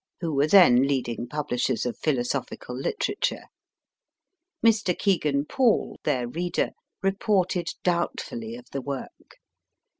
who were then leading pub lishers of philosophical literature. Mr. Kegan Paul, their reader, reported doubtfully of the work.